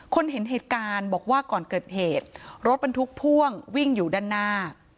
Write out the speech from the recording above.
เห็นเหตุการณ์บอกว่าก่อนเกิดเหตุรถบรรทุกพ่วงวิ่งอยู่ด้านหน้า